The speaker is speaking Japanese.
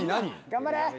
頑張れ。